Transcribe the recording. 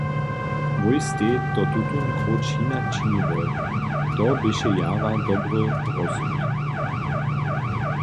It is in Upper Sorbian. Wój stej to tutón króć hinak činiłoj, to běše jara dobry rozsud.